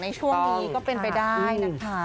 ในช่วงนี้ก็เป็นไปได้นะคะ